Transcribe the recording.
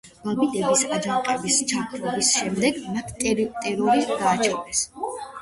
ბაბიდების აჯანყების ჩაქრობის შემდეგ მათ ტერორი გააჩაღეს.